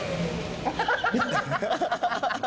ハハハハハ！